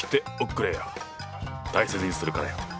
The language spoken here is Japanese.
大切にするからよ。